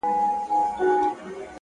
لوړ هدفونه دوامداره انرژي غواړي،